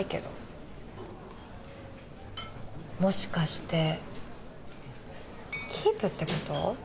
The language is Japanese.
もしかしてキープって事？